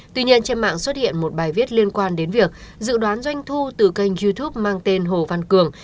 tuy nhiên trên mạng xuất hiện một bài viết liên quan đến việc dự đoán doanh thu từ kênh youtube mang tên hồ văn cường